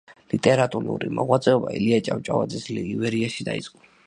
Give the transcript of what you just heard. ლიტერატურული მოღვაწეობა ილია ჭავჭავაძის „ივერიაში“ დაიწყო.